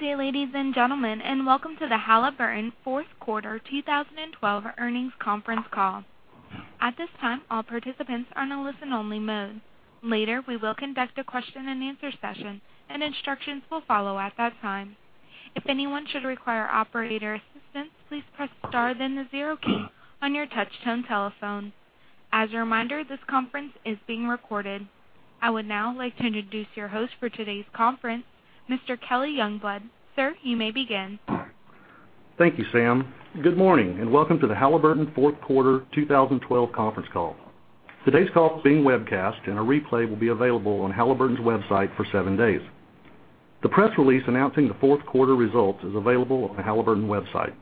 Good day, ladies and gentlemen. Welcome to the Halliburton fourth quarter 2012 earnings conference call. At this time, all participants are in a listen-only mode. Later, we will conduct a question-and-answer session, and instructions will follow at that time. If anyone should require operator assistance, please press star then the 0 key on your touchtone telephone. As a reminder, this conference is being recorded. I would now like to introduce your host for today's conference, Mr. Kelly Youngblood. Sir, you may begin. Thank you, Sam. Good morning. Welcome to the Halliburton fourth quarter 2012 conference call. Today's call is being webcast. A replay will be available on Halliburton's website for seven days. The press release announcing the fourth quarter results is available on the Halliburton website.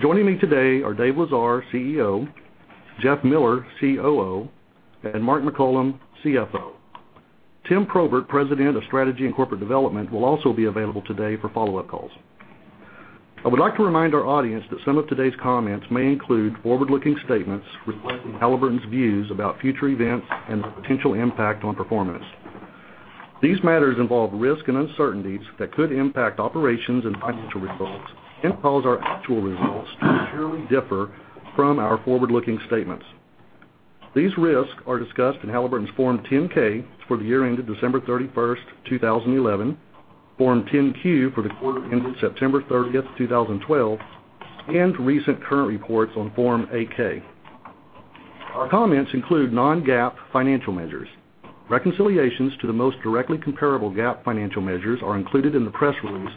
Joining me today are Dave Lesar, CEO, Jeff Miller, COO, and Mark McCollum, CFO. Tim Probert, President of Strategy and Corporate Development, will also be available today for follow-up calls. I would like to remind our audience that some of today's comments may include forward-looking statements reflecting Halliburton's views about future events and their potential impact on performance. These matters involve risk and uncertainties that could impact operations and financial results and cause our actual results to materially differ from our forward-looking statements. These risks are discussed in Halliburton's Form 10-K for the year ended December 31, 2011, Form 10-Q for the quarter ending September 30, 2012, and recent current reports on Form 8-K. Our comments include non-GAAP financial measures. Reconciliations to the most directly comparable GAAP financial measures are included in the press release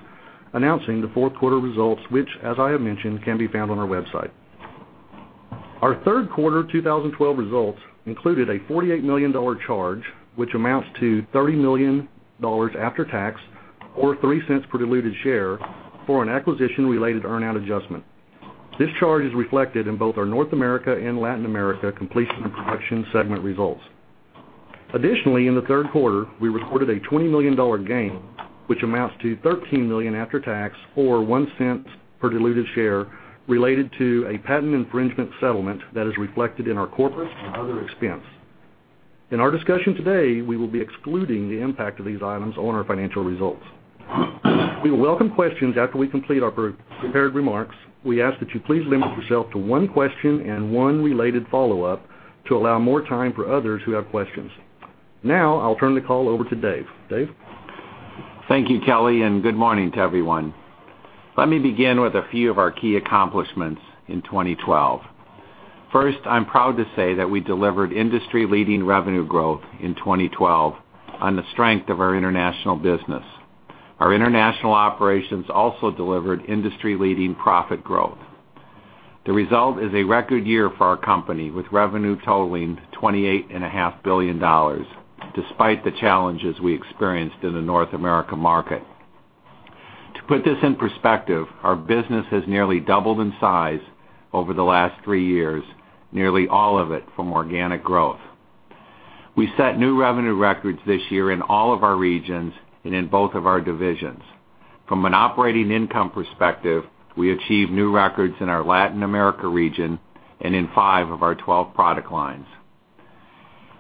announcing the fourth quarter results, which as I have mentioned, can be found on our website. Our third quarter 2012 results included a $48 million charge, which amounts to $30 million after tax, or $0.03 per diluted share for an acquisition-related earn-out adjustment. This charge is reflected in both our North America and Latin America Completion and Production segment results. Additionally, in the third quarter, we recorded a $20 million gain, which amounts to $13 million after tax, or $0.01 per diluted share related to a patent infringement settlement that is reflected in our corporate and other expense. In our discussion today, we will be excluding the impact of these items on our financial results. We welcome questions after we complete our prepared remarks. We ask that you please limit yourself to one question and one related follow-up to allow more time for others who have questions. Now, I will turn the call over to Dave. Dave? Thank you, Kelly, and good morning to everyone. Let me begin with a few of our key accomplishments in 2012. First, I am proud to say that we delivered industry-leading revenue growth in 2012 on the strength of our international business. Our international operations also delivered industry-leading profit growth. The result is a record year for our company, with revenue totaling $28.5 billion, despite the challenges we experienced in the North America market. To put this in perspective, our business has nearly doubled in size over the last three years, nearly all of it from organic growth. We set new revenue records this year in all of our regions and in both of our divisions. From an operating income perspective, we achieved new records in our Latin America region and in five of our 12 product lines.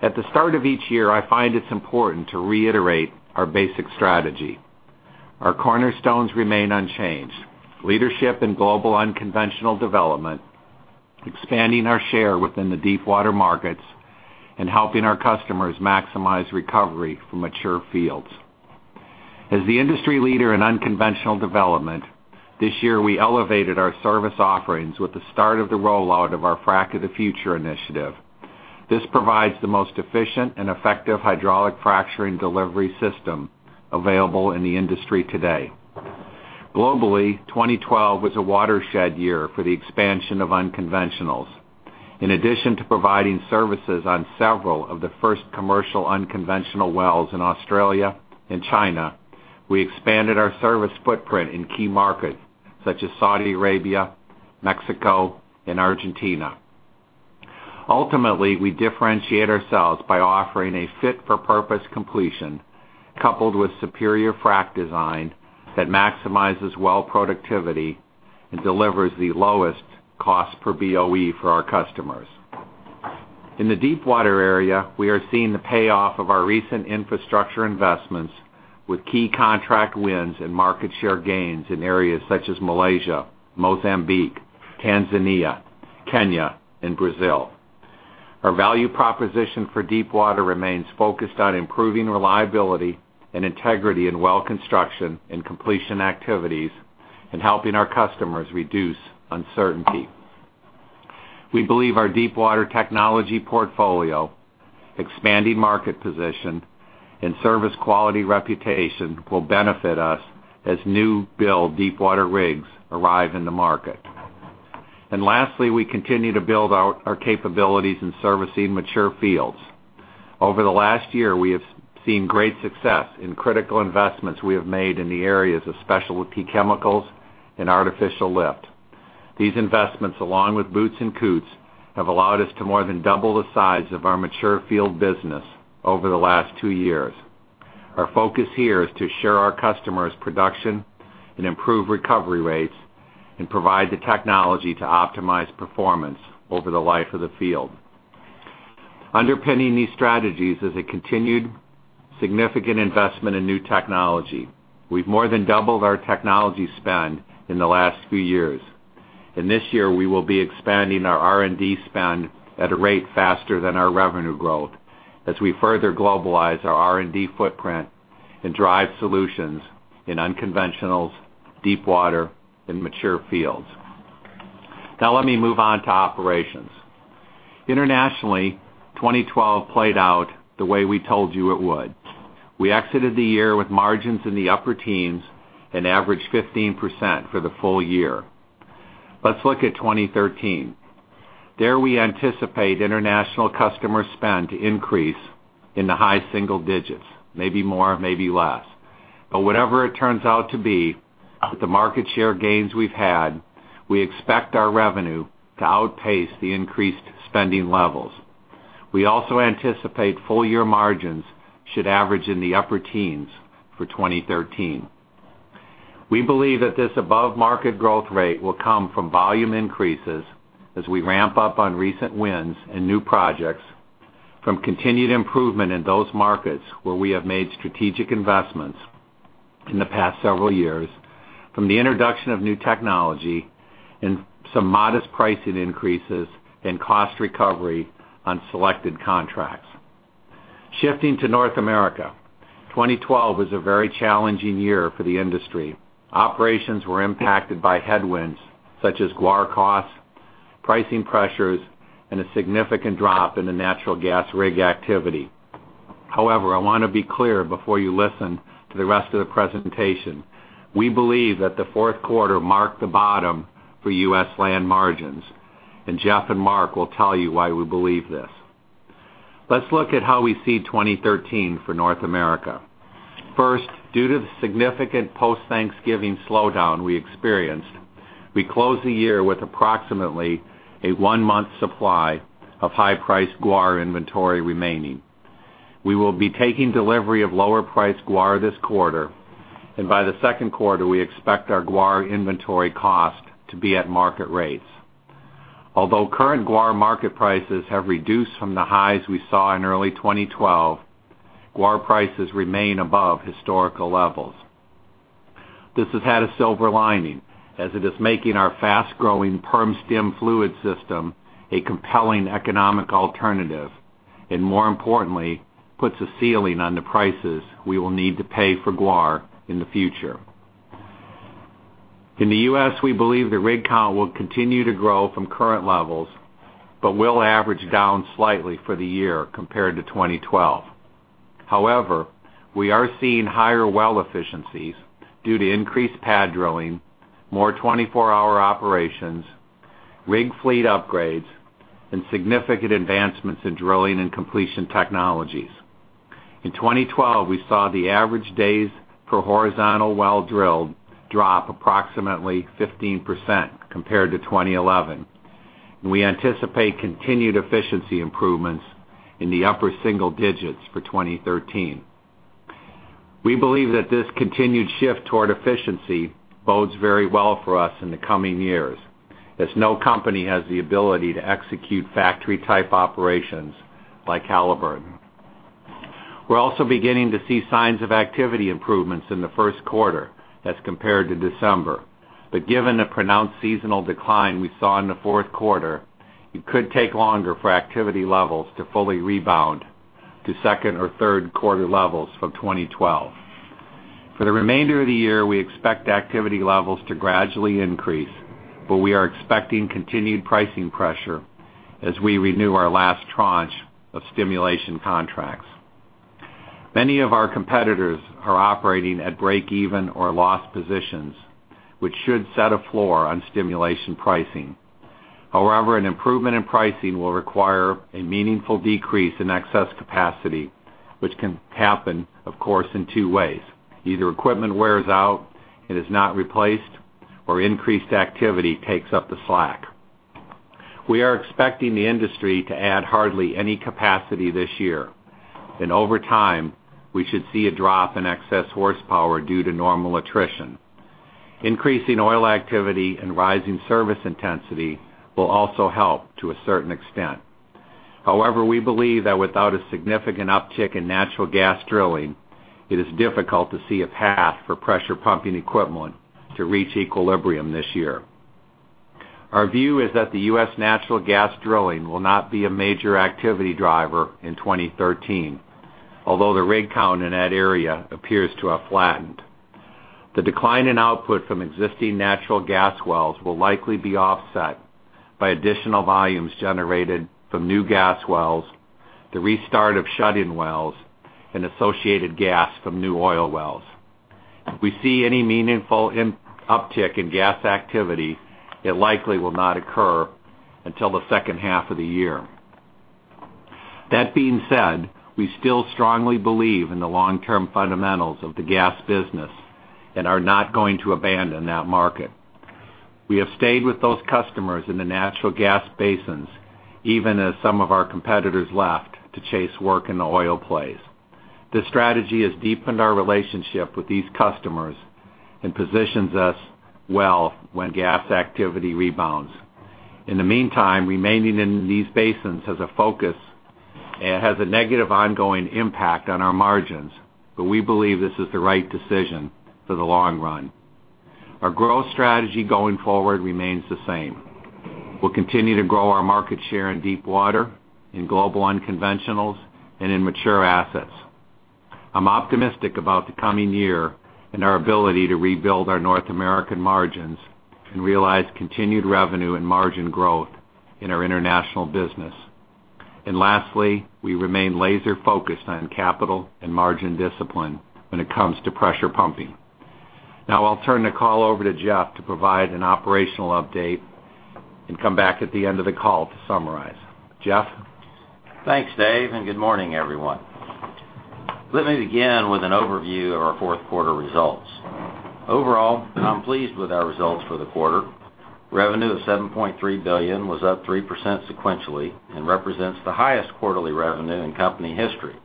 At the start of each year, I find it is important to reiterate our basic strategy. Our cornerstones remain unchanged: leadership in global unconventional development, expanding our share within the deepwater markets, and helping our customers maximize recovery from mature fields. As the industry leader in unconventional development, this year, we elevated our service offerings with the start of the rollout of our Frac of the Future initiative. This provides the most efficient and effective hydraulic fracturing delivery system available in the industry today. Globally, 2012 was a watershed year for the expansion of unconventionals. In addition to providing services on several of the first commercial unconventional wells in Australia and China, we expanded our service footprint in key markets such as Saudi Arabia, Mexico, and Argentina. Ultimately, we differentiate ourselves by offering a fit-for-purpose completion coupled with superior frac design that maximizes well productivity and delivers the lowest cost per BOE for our customers. In the deepwater area, we are seeing the payoff of our recent infrastructure investments with key contract wins and market share gains in areas such as Malaysia, Mozambique, Tanzania, Kenya, and Brazil. Our value proposition for deepwater remains focused on improving reliability and integrity in well construction and completion activities and helping our customers reduce uncertainty. We believe our deepwater technology portfolio, expanding market position, and service quality reputation will benefit us as new build deepwater rigs arrive in the market. Lastly, we continue to build out our capabilities in servicing mature fields. Over the last year, we have seen great success in critical investments we have made in the areas of specialty chemicals and artificial lift. These investments, along with Boots & Coots, have allowed us to more than double the size of our mature field business over the last two years. Our focus here is to share our customers' production and improve recovery rates and provide the technology to optimize performance over the life of the field. Underpinning these strategies is a continued significant investment in new technology. We have more than doubled our technology spend in the last few years. This year, we will be expanding our R&D spend at a rate faster than our revenue growth as we further globalize our R&D footprint and drive solutions in unconventionals, deep water, and mature fields. Now let me move on to operations. Internationally, 2012 played out the way we told you it would. We exited the year with margins in the upper teens and averaged 15% for the full year. Let us look at 2013. There, we anticipate international customer spend to increase in the high single digits, maybe more, maybe less. Whatever it turns out to be, with the market share gains we've had, we expect our revenue to outpace the increased spending levels. We also anticipate full year margins should average in the upper teens for 2013. We believe that this above-market growth rate will come from volume increases as we ramp up on recent wins and new projects, from continued improvement in those markets where we have made strategic investments in the past several years, from the introduction of new technology, and some modest pricing increases and cost recovery on selected contracts. Shifting to North America, 2012 was a very challenging year for the industry. Operations were impacted by headwinds such as guar costs, pricing pressures, and a significant drop in the natural gas rig activity. I want to be clear before you listen to the rest of the presentation, we believe that the fourth quarter marked the bottom for U.S. land margins, and Jeff and Mark will tell you why we believe this. Let's look at how we see 2013 for North America. First, due to the significant post-Thanksgiving slowdown we experienced, we closed the year with approximately a one-month supply of high-priced guar inventory remaining. We will be taking delivery of lower-priced guar this quarter, and by the second quarter, we expect our guar inventory cost to be at market rates. Although current guar market prices have reduced from the highs we saw in early 2012, guar prices remain above historical levels. This has had a silver lining, as it is making our fast-growing PermStim fluid system a compelling economic alternative, and more importantly, puts a ceiling on the prices we will need to pay for guar in the future. In the U.S., we believe the rig count will continue to grow from current levels, but will average down slightly for the year compared to 2012. We are seeing higher well efficiencies due to increased pad drilling, more 24-hour operations, rig fleet upgrades, and significant advancements in drilling and completion technologies. In 2012, we saw the average days per horizontal well drilled drop approximately 15% compared to 2011. We anticipate continued efficiency improvements in the upper single digits for 2013. We believe that this continued shift toward efficiency bodes very well for us in the coming years, as no company has the ability to execute factory-type operations like Halliburton. We're also beginning to see signs of activity improvements in the first quarter as compared to December. Given the pronounced seasonal decline we saw in the fourth quarter, it could take longer for activity levels to fully rebound to second or third quarter levels for 2012. For the remainder of the year, we expect activity levels to gradually increase, but we are expecting continued pricing pressure as we renew our last tranche of stimulation contracts. Many of our competitors are operating at break-even or loss positions, which should set a floor on stimulation pricing. An improvement in pricing will require a meaningful decrease in excess capacity, which can happen, of course, in two ways: either equipment wears out and is not replaced, or increased activity takes up the slack. We are expecting the industry to add hardly any capacity this year. Over time, we should see a drop in excess horsepower due to normal attrition. Increasing oil activity and rising service intensity will also help to a certain extent. We believe that without a significant uptick in natural gas drilling, it is difficult to see a path for pressure pumping equipment to reach equilibrium this year. Our view is that the U.S. natural gas drilling will not be a major activity driver in 2013, although the rig count in that area appears to have flattened. The decline in output from existing natural gas wells will likely be offset by additional volumes generated from new gas wells, the restart of shut-in wells, and associated gas from new oil wells. If we see any meaningful uptick in gas activity, it likely will not occur until the second half of the year. That being said, we still strongly believe in the long-term fundamentals of the gas business and are not going to abandon that market. We have stayed with those customers in the natural gas basins, even as some of our competitors left to chase work in the oil plays. This strategy has deepened our relationship with these customers and positions us well when gas activity rebounds. In the meantime, remaining in these basins has a focus, and it has a negative ongoing impact on our margins, but we believe this is the right decision for the long run. Our growth strategy going forward remains the same. We'll continue to grow our market share in deepwater, in global unconventionals, and in mature assets. I'm optimistic about the coming year and our ability to rebuild our North American margins and realize continued revenue and margin growth in our international business. Lastly, we remain laser-focused on capital and margin discipline when it comes to pressure pumping. Now I'll turn the call over to Jeff to provide an operational update and come back at the end of the call to summarize. Jeff? Thanks, Dave, and good morning, everyone. Let me begin with an overview of our fourth quarter results. Overall, I'm pleased with our results for the quarter. Revenue of $7.3 billion was up 3% sequentially and represents the highest quarterly revenue in company history.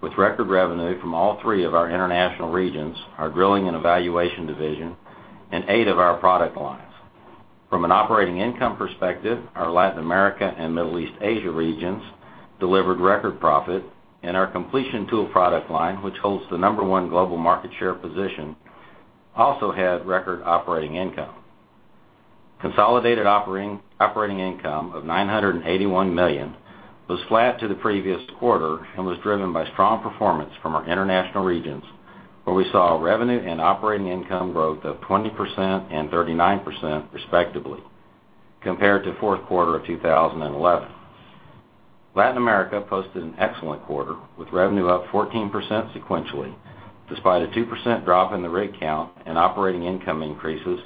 With record revenue from all three of our international regions, our drilling and evaluation division, and eight of our product lines. From an operating income perspective, our Latin America and Middle East/Asia regions delivered record profit, and our completion tool product line, which holds the number 1 global market share position, also had record operating income. Consolidated operating income of $981 million was flat to the previous quarter and was driven by strong performance from our international regions, where we saw revenue and operating income growth of 20% and 35%, respectively, compared to fourth quarter of 2011. Latin America posted an excellent quarter, with revenue up 14% sequentially, despite a 2% drop in the rig count and operating income increases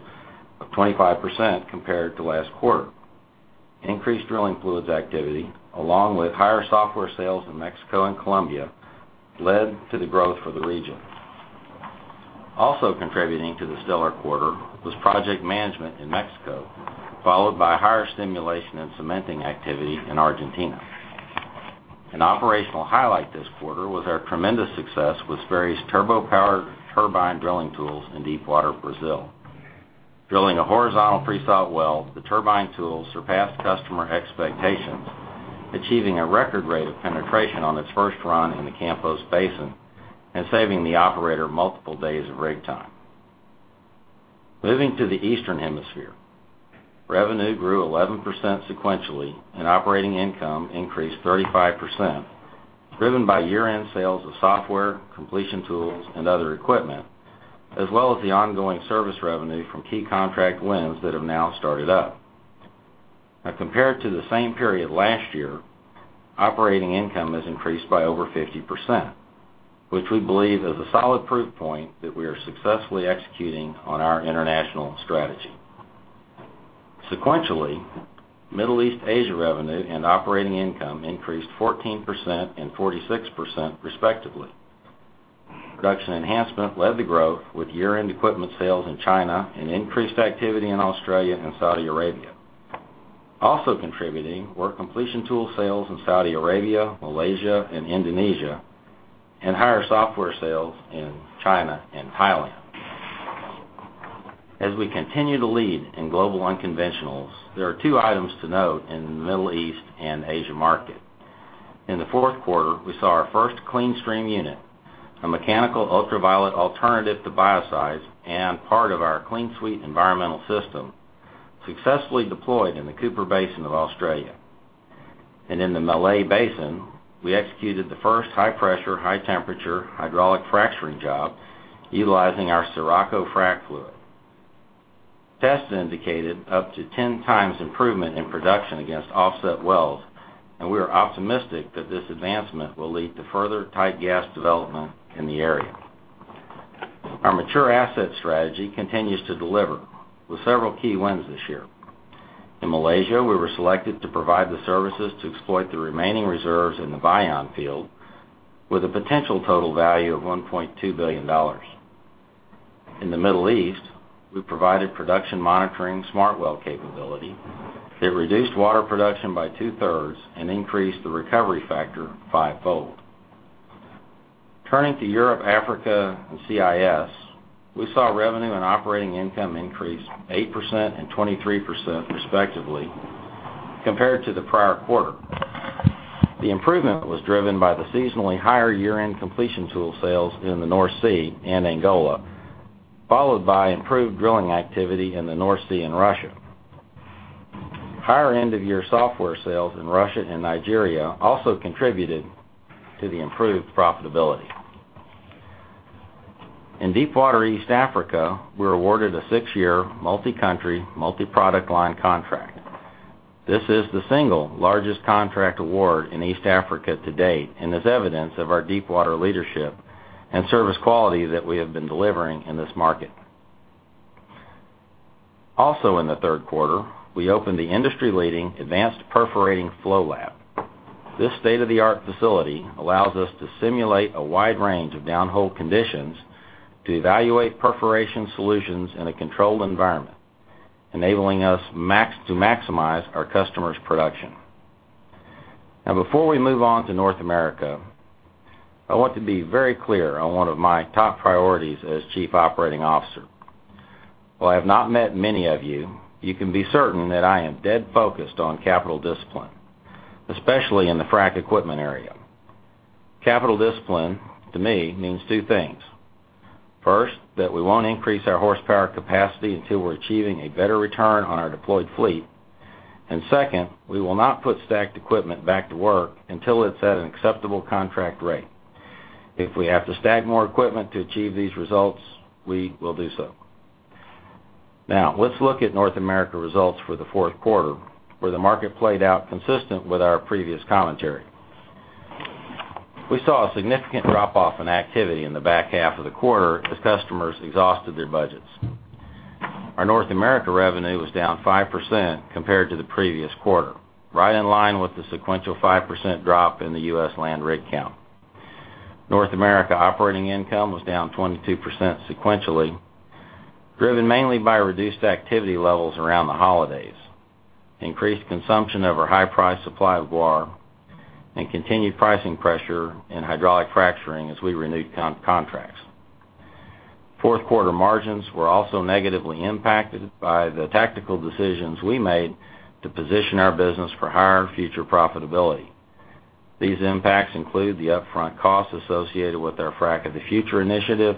of 25% compared to last quarter. Increased drilling fluids activity, along with higher software sales in Mexico and Colombia, led to the growth for the region. Also contributing to the stellar quarter was project management in Mexico, followed by higher stimulation and cementing activity in Argentina. An operational highlight this quarter was our tremendous success with various turbo powered turbine drilling tools in deepwater Brazil. Drilling a horizontal pre-salt well, the turbine tools surpassed customer expectations, achieving a record rate of penetration on its first run in the Campos Basin and saving the operator multiple days of rig time. Moving to the eastern hemisphere, revenue grew 11% sequentially and operating income increased 35%, driven by year-end sales of software, completion tools and other equipment, as well as the ongoing service revenue from key contract wins that have now started up. Compared to the same period last year, operating income has increased by over 50%, which we believe is a solid proof point that we are successfully executing on our international strategy. Sequentially, Middle East/Asia revenue and operating income increased 14% and 46% respectively. Production enhancement led the growth with year-end equipment sales in China and increased activity in Australia and Saudi Arabia. Also contributing were completion tool sales in Saudi Arabia, Malaysia and Indonesia, and higher software sales in China and Thailand. As we continue to lead in global unconventionals, there are two items to note in the Middle East and Asia market. In the fourth quarter, we saw our first CleanStream unit, a mechanical ultraviolet alternative to biocides and part of our CleanSuite environmental system, successfully deployed in the Cooper Basin of Australia. In the Malay Basin, we executed the first high-pressure, high-temperature hydraulic fracturing job utilizing our Sirocco frac fluid. Tests indicated up to 10 times improvement in production against offset wells, and we are optimistic that this advancement will lead to further tight gas development in the area. Our mature asset strategy continues to deliver with several key wins this year. In Malaysia, we were selected to provide the services to exploit the remaining reserves in the Bayan field with a potential total value of $1.2 billion. In the Middle East, we provided production monitoring SmartWell capability that reduced water production by two-thirds and increased the recovery factor fivefold. Turning to Europe, Africa and CIS, we saw revenue and operating income increase 8% and 23% respectively compared to the prior quarter. The improvement was driven by the seasonally higher year-end completion tool sales in the North Sea and Angola, followed by improved drilling activity in the North Sea in Russia. Higher end of year software sales in Russia and Nigeria also contributed to the improved profitability. In deepwater East Africa, we were awarded a six-year multi-country, multi-product line contract. This is the single largest contract award in East Africa to date and is evidence of our deepwater leadership and service quality that we have been delivering in this market. Also in the third quarter, we opened the industry-leading advanced perforating flow lab. This state-of-the-art facility allows us to simulate a wide range of downhole conditions to evaluate perforation solutions in a controlled environment. Enabling us to maximize our customers' production. Before we move on to North America, I want to be very clear on one of my top priorities as Chief Operating Officer. While I have not met many of you can be certain that I am dead focused on capital discipline, especially in the frac equipment area. Capital discipline, to me, means two things. First, that we won't increase our horsepower capacity until we're achieving a better return on our deployed fleet. Second, we will not put stacked equipment back to work until it's at an acceptable contract rate. If we have to stack more equipment to achieve these results, we will do so. Let's look at North America results for the fourth quarter, where the market played out consistent with our previous commentary. We saw a significant drop-off in activity in the back half of the quarter as customers exhausted their budgets. Our North America revenue was down 5% compared to the previous quarter, right in line with the sequential 5% drop in the U.S. land rig count. North America operating income was down 22% sequentially, driven mainly by reduced activity levels around the holidays, increased consumption of our high-price supply of guar, and continued pricing pressure in hydraulic fracturing as we renewed contracts. Fourth quarter margins were also negatively impacted by the tactical decisions we made to position our business for higher future profitability. These impacts include the upfront costs associated with our Frac of the Future initiative,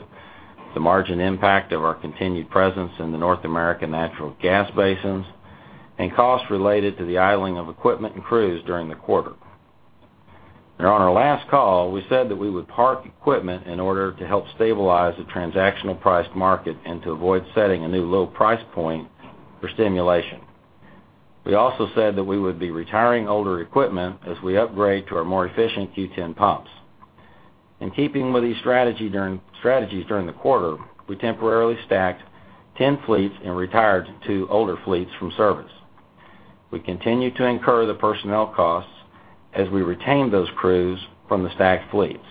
the margin impact of our continued presence in the North American natural gas basins, and costs related to the idling of equipment and crews during the quarter. On our last call, we said that we would park equipment in order to help stabilize the transactional price market and to avoid setting a new low price point for stimulation. We also said that we would be retiring older equipment as we upgrade to our more efficient Q10 pumps. In keeping with these strategies during the quarter, we temporarily stacked 10 fleets and retired two older fleets from service. We continue to incur the personnel costs as we retain those crews from the stacked fleets.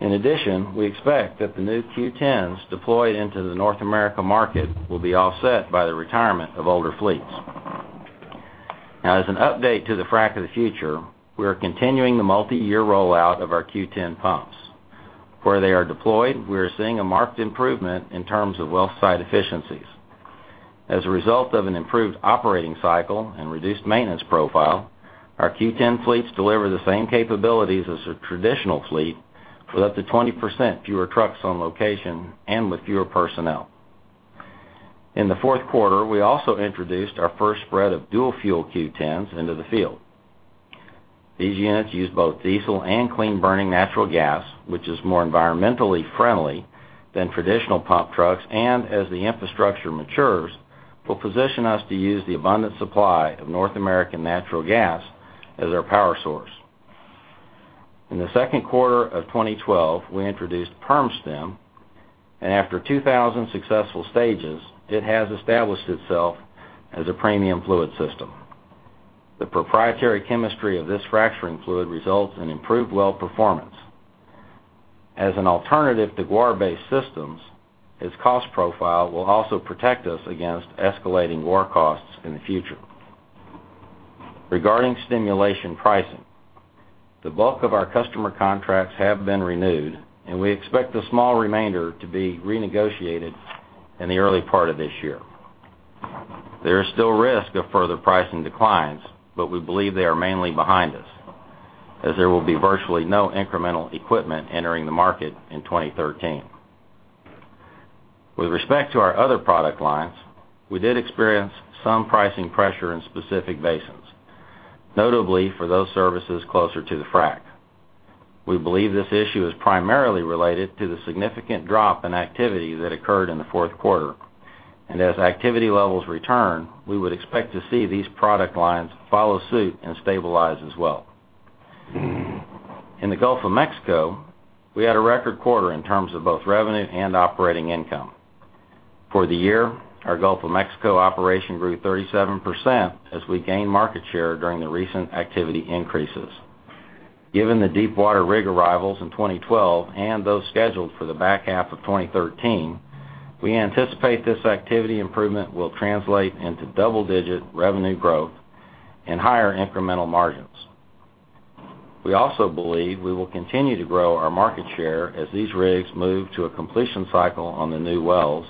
In addition, we expect that the new Q10s deployed into the North America market will be offset by the retirement of older fleets. As an update to the Frac of the Future, we are continuing the multiyear rollout of our Q10 pumps. Where they are deployed, we are seeing a marked improvement in terms of well site efficiencies. As a result of an improved operating cycle and reduced maintenance profile, our Q10 fleets deliver the same capabilities as a traditional fleet with up to 20% fewer trucks on location and with fewer personnel. In the fourth quarter, we also introduced our first spread of dual-fuel Q10s into the field. These units use both diesel and clean-burning natural gas, which is more environmentally friendly than traditional pump trucks, and as the infrastructure matures, will position us to use the abundant supply of North American natural gas as our power source. In the second quarter of 2012, we introduced PermStim. After 2,000 successful stages, it has established itself as a premium fluid system. The proprietary chemistry of this fracturing fluid results in improved well performance. As an alternative to guar-based systems, its cost profile will also protect us against escalating guar costs in the future. Regarding stimulation pricing, the bulk of our customer contracts have been renewed. We expect the small remainder to be renegotiated in the early part of this year. There is still risk of further pricing declines. We believe they are mainly behind us, as there will be virtually no incremental equipment entering the market in 2013. With respect to our other product lines, we did experience some pricing pressure in specific basins, notably for those services closer to the frac. We believe this issue is primarily related to the significant drop in activity that occurred in the fourth quarter. As activity levels return, we would expect to see these product lines follow suit and stabilize as well. In the Gulf of Mexico, we had a record quarter in terms of both revenue and operating income. For the year, our Gulf of Mexico operation grew 37% as we gained market share during the recent activity increases. Given the deepwater rig arrivals in 2012 and those scheduled for the back half of 2013, we anticipate this activity improvement will translate into double-digit revenue growth and higher incremental margins. We also believe we will continue to grow our market share as these rigs move to a completion cycle on the new wells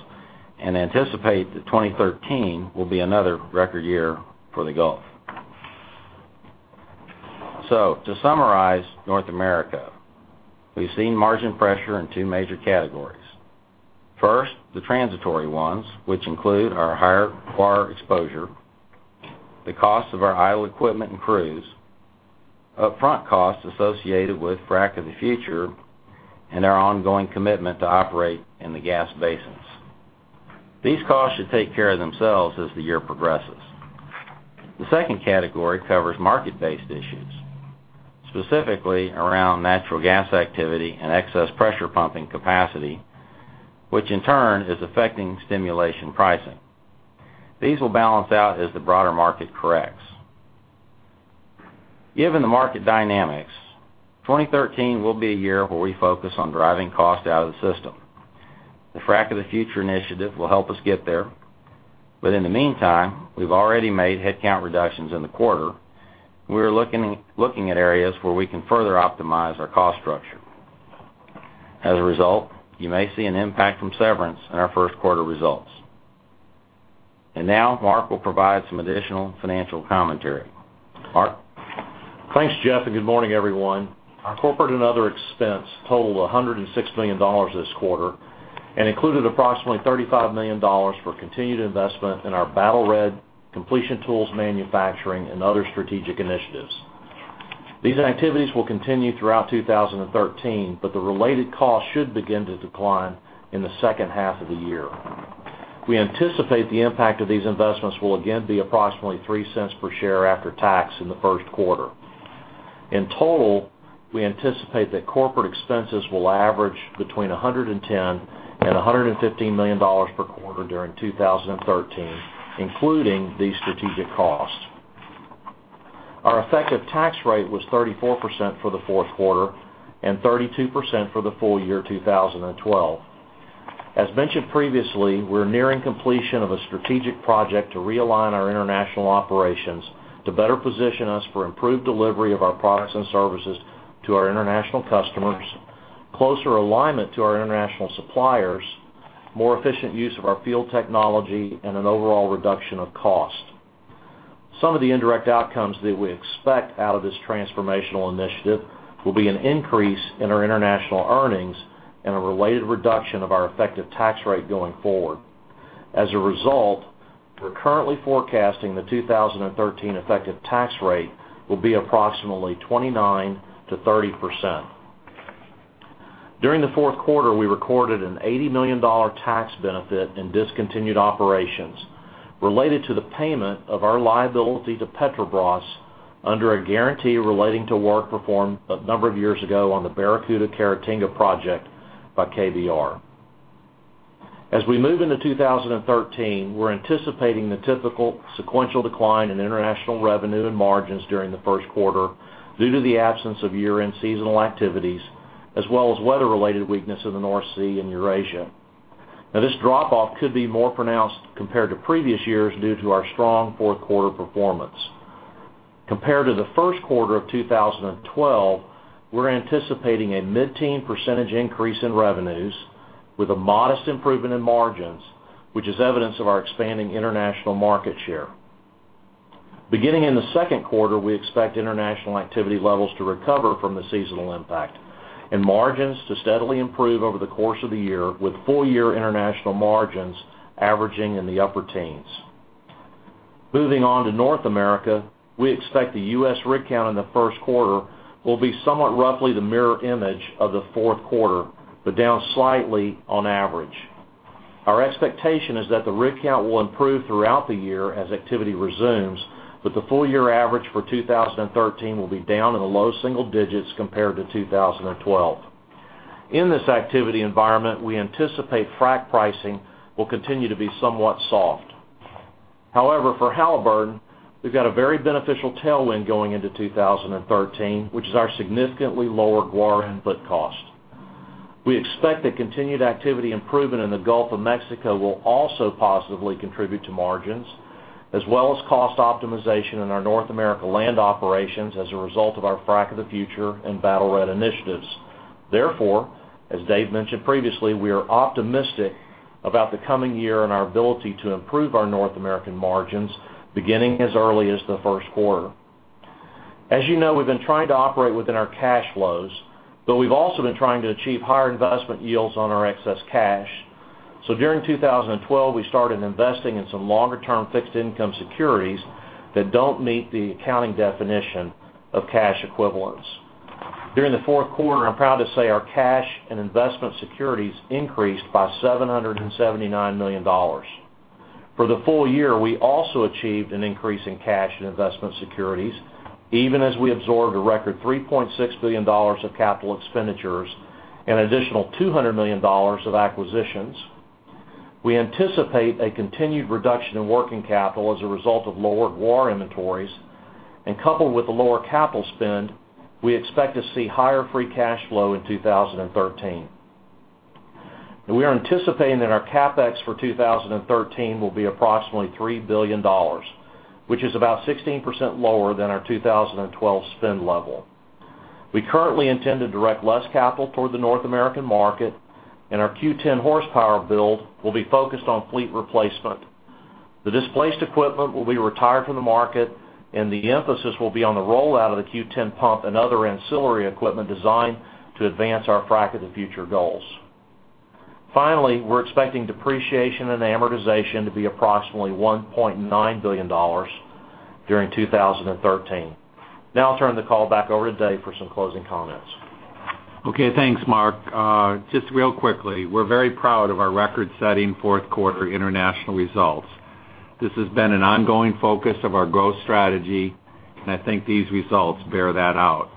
and anticipate that 2013 will be another record year for the Gulf. To summarize North America, we've seen margin pressure in two major categories. First, the transitory ones, which include our higher guar exposure, the cost of our idle equipment and crews, upfront costs associated with Frac of the Future, and our ongoing commitment to operate in the gas basins. These costs should take care of themselves as the year progresses. The second category covers market-based issues, specifically around natural gas activity and excess pressure pumping capacity, which in turn is affecting stimulation pricing. These will balance out as the broader market corrects. Given the market dynamics, 2013 will be a year where we focus on driving cost out of the system. The Frac of the Future initiative will help us get there. In the meantime, we've already made headcount reductions in the quarter, we are looking at areas where we can further optimize our cost structure. As a result, you may see an impact from severance in our first quarter results. Now Mark will provide some additional financial commentary. Mark? Thanks, Jeff, good morning, everyone. Our corporate and other expense totaled $106 million this quarter and included approximately $35 million for continued investment in our Battle Red completion tools manufacturing and other strategic initiatives. These activities will continue throughout 2013, the related cost should begin to decline in the second half of the year. We anticipate the impact of these investments will again be approximately $0.03 per share after tax in the first quarter. In total, we anticipate that corporate expenses will average between $110 million and $115 million per quarter during 2013, including these strategic costs. Our effective tax rate was 34% for the fourth quarter and 32% for the full year 2012. As mentioned previously, we're nearing completion of a strategic project to realign our international operations to better position us for improved delivery of our products and services to our international customers, closer alignment to our international suppliers, more efficient use of our field technology, and an overall reduction of cost. Some of the indirect outcomes that we expect out of this transformational initiative will be an increase in our international earnings and a related reduction of our effective tax rate going forward. As a result, we're currently forecasting the 2013 effective tax rate will be approximately 29%-30%. During the fourth quarter, we recorded an $80 million tax benefit in discontinued operations related to the payment of our liability to Petrobras under a guarantee relating to work performed a number of years ago on the Barracuda Caratinga project by KBR. As we move into 2013, we're anticipating the typical sequential decline in international revenue and margins during the first quarter due to the absence of year-end seasonal activities, as well as weather-related weakness in the North Sea and Eurasia. This drop off could be more pronounced compared to previous years due to our strong fourth quarter performance. Compared to the first quarter of 2012, we're anticipating a mid-teen percentage increase in revenues with a modest improvement in margins, which is evidence of our expanding international market share. Beginning in the second quarter, we expect international activity levels to recover from the seasonal impact and margins to steadily improve over the course of the year with full year international margins averaging in the upper teens. Moving on to North America, we expect the U.S. rig count in the first quarter will be somewhat roughly the mirror image of the fourth quarter, down slightly on average. Our expectation is that the rig count will improve throughout the year as activity resumes, the full year average for 2013 will be down in the low single digits compared to 2012. In this activity environment, we anticipate frac pricing will continue to be somewhat soft. For Halliburton, we've got a very beneficial tailwind going into 2013, which is our significantly lower guar input cost. We expect that continued activity improvement in the Gulf of Mexico will also positively contribute to margins, as well as cost optimization in our North America land operations as a result of our Frac of the Future and Battle Red initiatives. As Dave mentioned previously, we are optimistic about the coming year and our ability to improve our North American margins beginning as early as the first quarter. As you know, we've been trying to operate within our cash flows, but we've also been trying to achieve higher investment yields on our excess cash. During 2012, we started investing in some longer-term fixed income securities that don't meet the accounting definition of cash equivalents. During the fourth quarter, I'm proud to say our cash and investment securities increased by $779 million. For the full year, we also achieved an increase in cash and investment securities, even as we absorbed a record $3.6 billion of capital expenditures and additional $200 million of acquisitions. We anticipate a continued reduction in working capital as a result of lower guar inventories, coupled with the lower capital spend, we expect to see higher free cash flow in 2013. We are anticipating that our CapEx for 2013 will be approximately $3 billion, which is about 16% lower than our 2012 spend level. We currently intend to direct less capital toward the North American market, and our Q10 horsepower build will be focused on fleet replacement. The displaced equipment will be retired from the market, and the emphasis will be on the rollout of the Q10 pump and other ancillary equipment designed to advance our Frac of the Future goals. Finally, we're expecting depreciation and amortization to be approximately $1.9 billion during 2013. I'll turn the call back over to Dave for some closing comments. Okay, thanks, Mark. Just real quickly, we're very proud of our record-setting fourth quarter international results. This has been an ongoing focus of our growth strategy, and I think these results bear that out.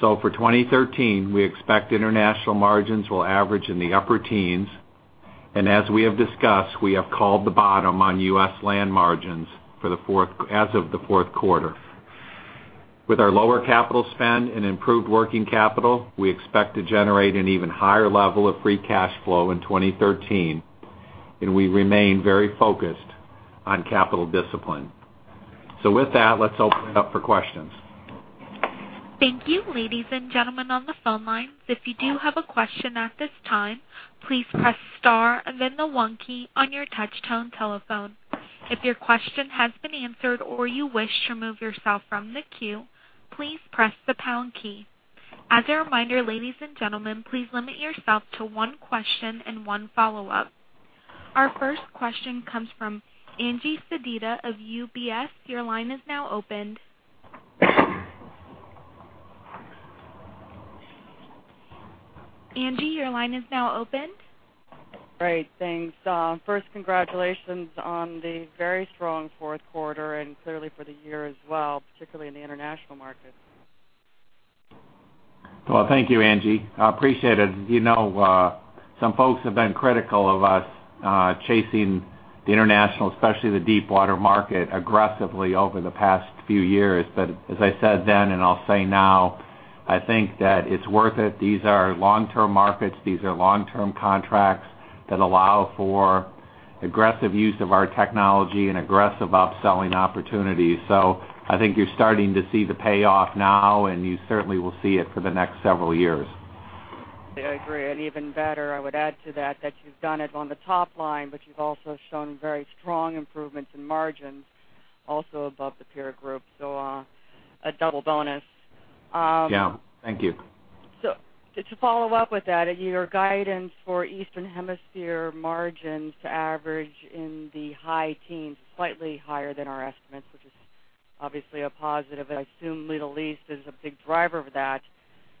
For 2013, we expect international margins will average in the upper teens, as we have discussed, we have called the bottom on U.S. land margins as of the fourth quarter. With our lower capital spend and improved working capital, we expect to generate an even higher level of free cash flow in 2013, we remain very focused on capital discipline. With that, let's open it up for questions. Thank you, ladies and gentlemen on the phone lines. If you do have a question at this time, please press star and then the 1 key on your touchtone telephone. If your question has been answered or you wish to remove yourself from the queue, please press the pound key. As a reminder, ladies and gentlemen, please limit yourself to 1 question and 1 follow-up. Our first question comes from Angie Sedita of UBS. Your line is now open. Angie, your line is now open. Great. Thanks. First, congratulations on the very strong fourth quarter and clearly for the year as well, particularly in the international market. Well, thank you, Angie. I appreciate it. Some folks have been critical of us chasing the international, especially the deepwater market, aggressively over the past few years. As I said then, and I'll say now, I think that it's worth it. These are long-term markets. These are long-term contracts that allow for aggressive use of our technology and aggressive upselling opportunities. I think you're starting to see the payoff now, and you certainly will see it for the next several years. I agree. Even better, I would add to that you've done it on the top line, but you've also shown very strong improvements in margins, also above the peer group. A double bonus. Yeah. Thank you. To follow up with that, your guidance for Eastern Hemisphere margins average in the high teens, slightly higher than our estimates, which is obviously a positive, and I assume Middle East is a big driver of that.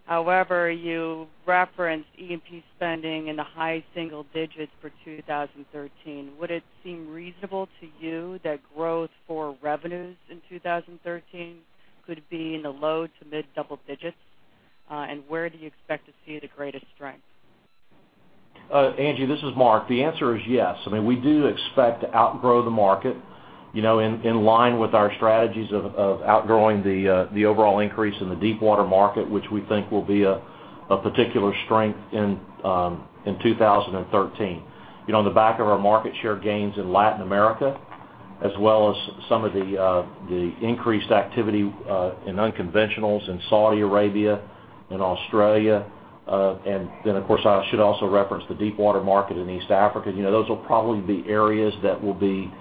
However, you referenced E&P spending in the high single digits for 2013. Would it seem reasonable to you that growth for revenues in 2013 could be in the low to mid double digits? Where do you expect to see the greatest strength? Angie, this is Mark. The answer is yes. I mean, we do expect to outgrow the market in line with our strategies of outgrowing the overall increase in the deepwater market, which we think will be a particular strength in 2013. On the back of our market share gains in Latin America, as well as some of the increased activity in unconventionals in Saudi Arabia and Australia. Then, of course, I should also reference the deepwater market in East Africa. Those will probably be areas that will be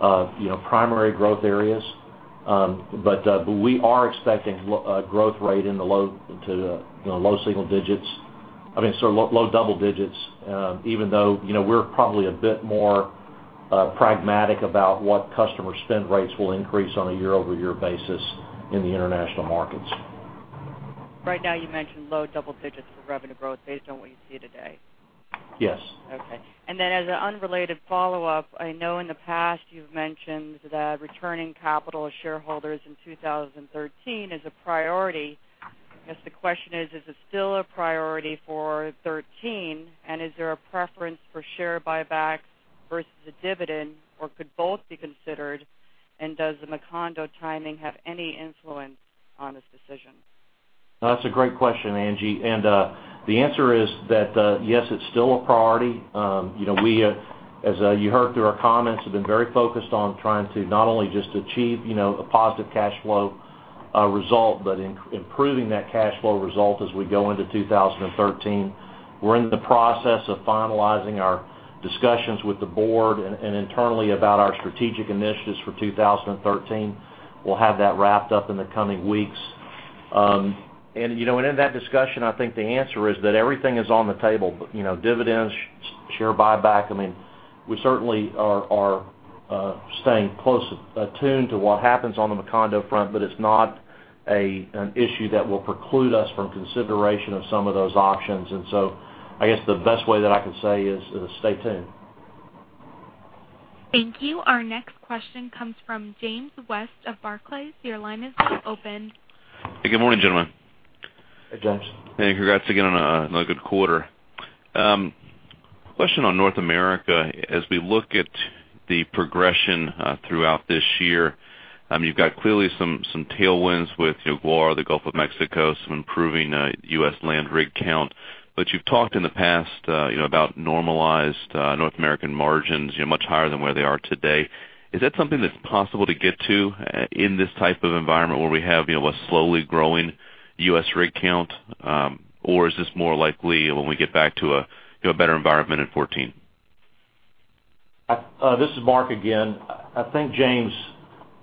primary growth areas. We are expecting a growth rate in the low single digits. I mean, sorry, low double digits, even though we're probably a bit more pragmatic about what customer spend rates will increase on a year-over-year basis in the international markets. Right now, you mentioned low double digits for revenue growth based on what you see today. Yes. Okay. Then as an unrelated follow-up, I know in the past you've mentioned that returning capital to shareholders in 2013 is a priority. I guess the question is it still a priority for 2013? Is there a preference for share buybacks versus a dividend, or could both be considered? Does the Macondo timing have any influence on this decision? That's a great question, Angie. The answer is that, yes, it's still a priority. We, as you heard through our comments, have been very focused on trying to not only just achieve a positive cash flow result, but improving that cash flow result as we go into 2013. We're in the process of finalizing our discussions with the board and internally about our strategic initiatives for 2013. We'll have that wrapped up in the coming weeks. In that discussion, I mean, I think the answer is that everything is on the table, dividends, share buyback. I mean, we certainly are staying close attuned to what happens on the Macondo front, but it's not an issue that will preclude us from consideration of some of those options. I guess the best way that I can say is stay tuned. Thank you. Our next question comes from James West of Barclays. Your line is now open. Good morning, gentlemen. Hey, James. Congrats again on another good quarter. Question on North America. As we look at the progression throughout this year, you've got clearly some tailwinds with your guar, the Gulf of Mexico, some improving U.S. land rig count. You've talked in the past about normalized North American margins much higher than where they are today. Is that something that's possible to get to in this type of environment where we have a slowly growing U.S. rig count? Is this more likely when we get back to a better environment in 2014? This is Mark again. I think, James,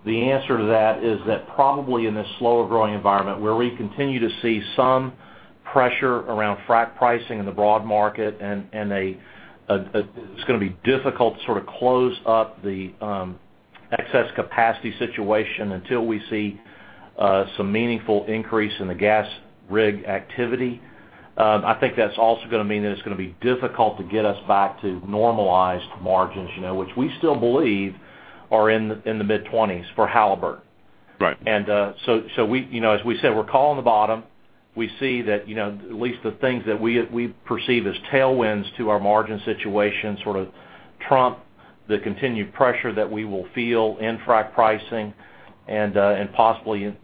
the answer to that is that probably in this slower growing environment where we continue to see some pressure around frac pricing in the broad market. It's gonna be difficult to sort of close up the excess capacity situation until we see some meaningful increase in the gas rig activity. I think that's also going to mean that it's going to be difficult to get us back to normalized margins, which we still believe are in the mid-20s for Halliburton. Right. As we said, we're calling the bottom. We see that at least the things that we perceive as tailwinds to our margin situation sort of trump the continued pressure that we will feel in frac pricing and possibly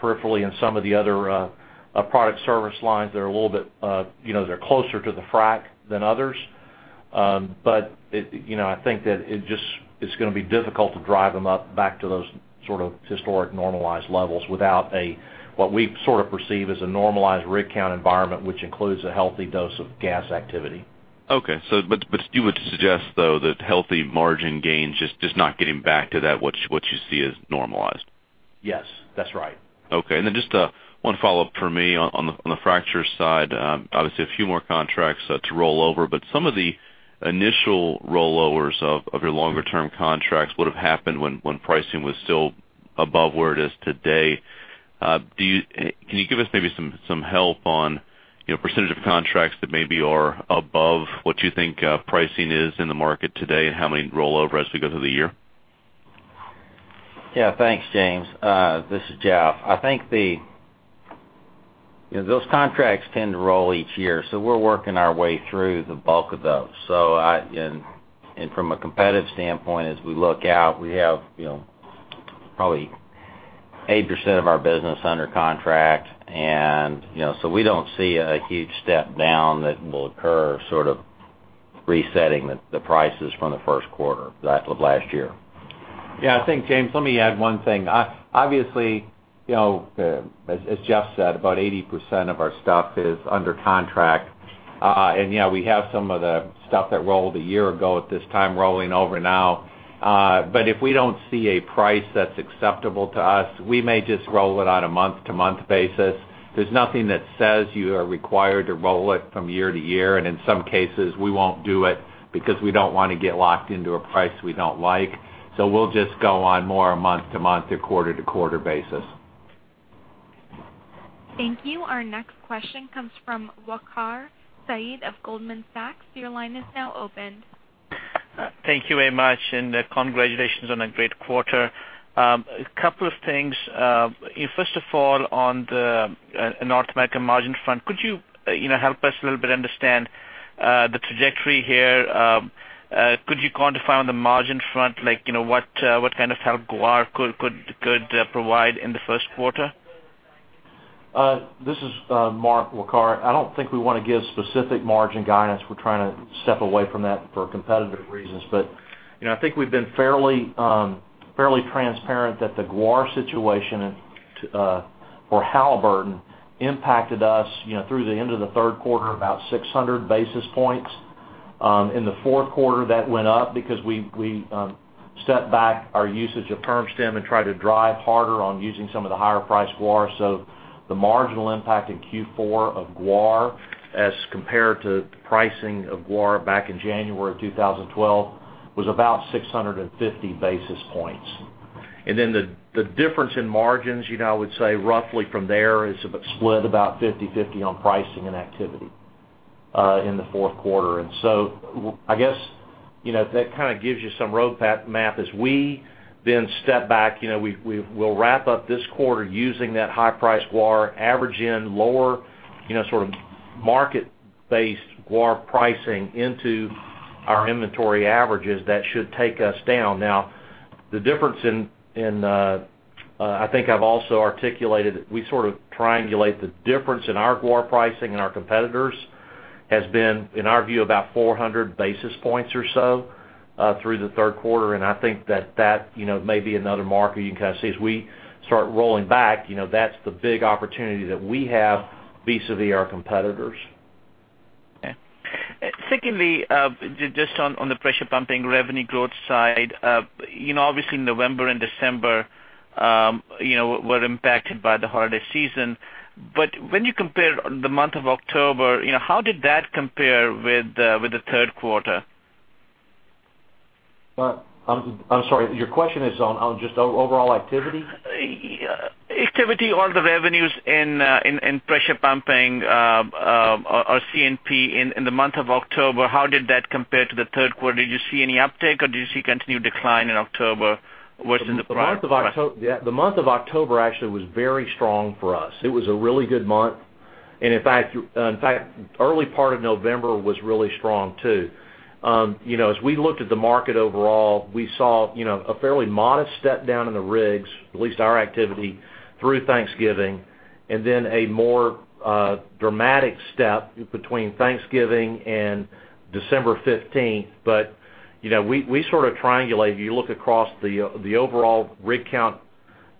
peripherally in some of the other product service lines that are a little bit. They're closer to the frac than others. I think that it's going to be difficult to drive them up back to those sort of historic normalized levels without a, what we sort of perceive as a normalized rig count environment, which includes a healthy dose of gas activity. Okay. You would suggest, though, that healthy margin gains just not getting back to that what you see as normalized? Yes, that's right. Okay. Then just one follow-up from me on the fracture side. Obviously, a few more contracts to roll over, but some of the initial rollovers of your longer-term contracts would have happened when pricing was still above where it is today. Can you give us maybe some help on % of contracts that maybe are above what you think pricing is in the market today and how many roll over as we go through the year? Yeah. Thanks, James. This is Jeff. I think those contracts tend to roll each year, so we're working our way through the bulk of those. From a competitive standpoint, as we look out, we have probably 80% of our business under contract. So we don't see a huge step down that will occur, sort of resetting the prices from the first quarter of last year. Yeah. I think, James, let me add one thing. Obviously, as Jeff said, about 80% of our stuff is under contract. Yeah, we have some of the stuff that rolled a year ago at this time rolling over now. If we don't see a price that's acceptable to us, we may just roll it on a month-to-month basis. There's nothing that says you are required to roll it from year-to-year. In some cases, we won't do it because we don't want to get locked into a price we don't like. We'll just go on more a month-to-month or quarter-to-quarter basis. Thank you. Our next question comes from Waqar Syed of Goldman Sachs. Your line is now open. Thank you very much. Congratulations on a great quarter. A couple of things. First of all, on the North American margin front, could you help us a little bit understand the trajectory here? Could you quantify on the margin front what kind of help guar could provide in the first quarter? This is Mark. Waqar, I don't think we want to give specific margin guidance. We're trying to step away from that for competitive reasons. I think we've been fairly transparent that the guar situation for Halliburton impacted us through the end of the third quarter, about 600 basis points. In the fourth quarter, that went up because we stepped back our usage of PermStim and tried to drive harder on using some of the higher priced guar. The marginal impact in Q4 of guar as compared to pricing of guar back in January of 2012 was about 650 basis points. The difference in margins, I would say roughly from there is split about 50/50 on pricing and activity in the fourth quarter. I guess that kind of gives you some road map. We step back, we'll wrap up this quarter using that high price guar average in lower sort of market-based guar pricing into our inventory averages. That should take us down. I think I've also articulated, we sort of triangulate the difference in our guar pricing and our competitors, has been, in our view, about 400 basis points or so through the third quarter. I think that that may be another marker you can kind of see. We start rolling back, that's the big opportunity that we have vis-à-vis our competitors. Okay. Secondly, just on the pressure pumping revenue growth side. Obviously, November and December were impacted by the holiday season. When you compare the month of October, how did that compare with the third quarter? I'm sorry, your question is on just overall activity? Activity or the revenues in pressure pumping or CNP in the month of October, how did that compare to the third quarter? Did you see any uptick, or did you see continued decline in October versus the prior quarter? The month of October actually was very strong for us. It was a really good month. In fact, early part of November was really strong, too. As we looked at the market overall, we saw a fairly modest step down in the rigs, at least our activity, through Thanksgiving, and then a more dramatic step between Thanksgiving and December 15th. We sort of triangulate. If you look across the overall rig count,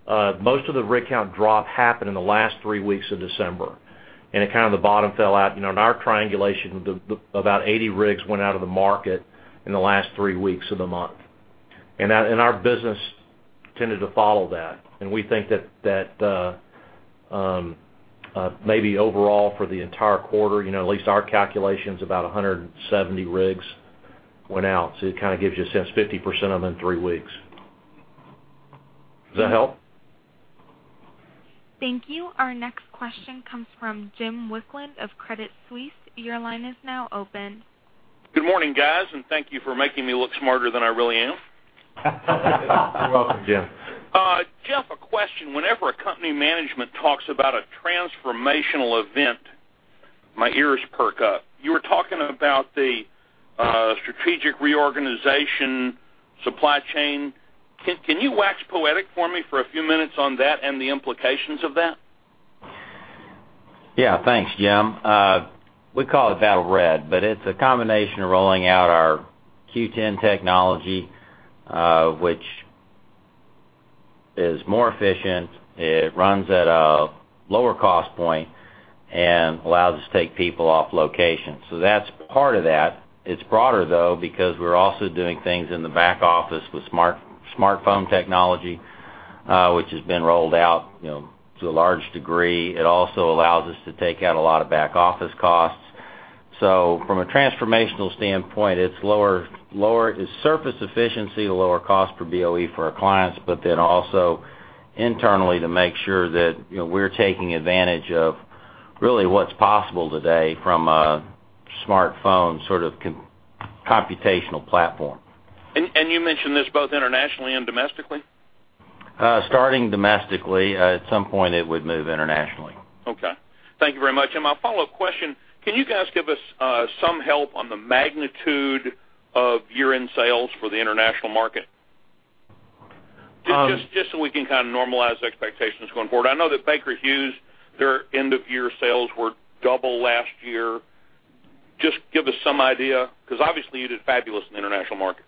most of the rig count drop happened in the last three weeks of December, and kind of the bottom fell out. In our triangulation, about 80 rigs went out of the market in the last three weeks of the month. Our business tended to follow that. We think that maybe overall, for the entire quarter, at least our calculation's about 170 rigs went out. It kind of gives you a sense, 50% of them in three weeks. Does that help? Thank you. Our next question comes from Jim Wicklund of Credit Suisse. Your line is now open. Good morning, guys, and thank you for making me look smarter than I really am. You're welcome, Jim. Jeff, a question. Whenever a company management talks about a transformational event, my ears perk up. You were talking about the strategic reorganization supply chain. Can you wax poetic for me for a few minutes on that and the implications of that? Yeah. Thanks, Jim. We call it Battle Red, but it's a combination of rolling out our Q10 technology, which is more efficient. It runs at a lower cost point and allows us to take people off location. That's part of that. It's broader, though, because we're also doing things in the back office with smartphone technology, which has been rolled out to a large degree. It also allows us to take out a lot of back-office costs. From a transformational standpoint, it's surface efficiency to lower cost per BOE for our clients, but then also internally to make sure that we're taking advantage of really what's possible today from a smartphone sort of computational platform. You mentioned this both internationally and domestically? Starting domestically. At some point, it would move internationally. Okay. Thank you very much. My follow-up question, can you guys give us some help on the magnitude of year-end sales for the international market? Um- Just so we can kind of normalize expectations going forward. I know that Baker Hughes, their end-of-year sales were double last year. Just give us some idea, because obviously you did fabulous in the international markets.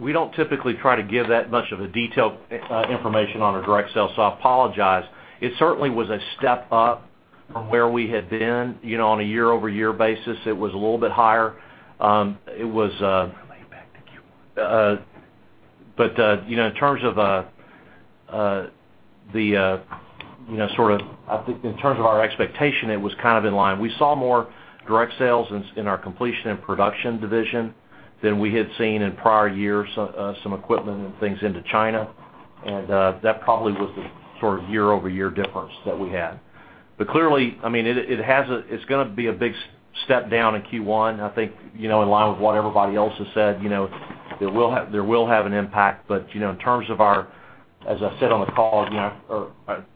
We don't typically try to give that much of a detailed information on a direct sale, I apologize. It certainly was a step up from where we had been. On a year-over-year basis, it was a little bit higher. It'll impact the Q1. In terms of our expectation, it was kind of in line. We saw more direct sales in our Completion and Production division than we had seen in prior years, some equipment and things into China. That probably was the sort of year-over-year difference that we had. Clearly, it's going to be a big step down in Q1. I think in line with what everybody else has said, there will have an impact, in terms of our, as I said on the call,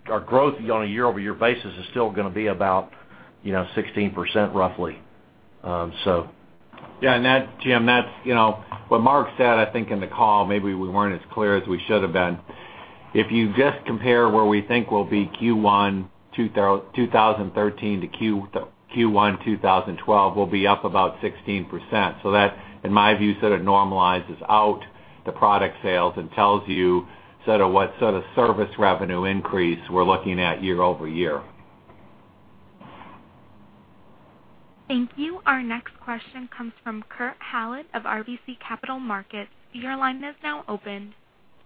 our growth on a year-over-year basis is still going to be about 16%, roughly. Yeah. Jim, what Mark said, I think, in the call, maybe we weren't as clear as we should have been. If you just compare where we think we'll be Q1 2013 to Q1 2012, we'll be up about 16%. That, in my view, sort of normalizes out the product sales and tells you sort of what sort of service revenue increase we're looking at year-over-year. Thank you. Our next question comes from Kurt Hallead of RBC Capital Markets. Your line is now open.